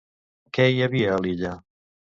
Què hi havia a l'illa?